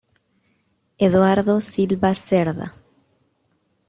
Eduardo Silva Cerda.